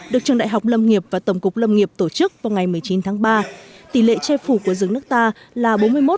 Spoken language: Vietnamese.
được trường đại học lâm nghiệp và tổng cục lâm nghiệp tổ chức vào ngày một mươi chín tháng ba tỷ lệ che phủ của rừng nước ta là bốn mươi một